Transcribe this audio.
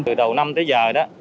từ đầu năm tới giờ